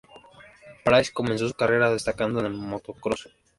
Price comenzó su carrera destacando en el motocross.